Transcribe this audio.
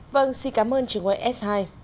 vâng xin cảm ơn trường hội s hai